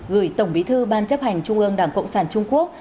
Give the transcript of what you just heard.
gửi tổng bí thư ban chấp hành trung ương đảng cộng sản trung quốc